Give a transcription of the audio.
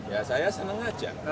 ya saya senang aja